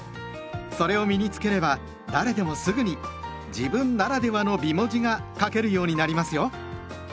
それを身に付ければ誰でもすぐに「自分ならではの美文字」が書けるようになりますよ。